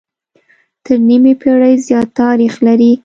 تر نيمې پېړۍ زيات تاريخ لري